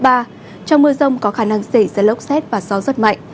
trong mưa rông có khả năng xảy ra lốc xét và gió rất mạnh